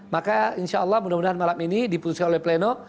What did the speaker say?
maka insya allah mudah mudahan malam ini diputuskan oleh pleno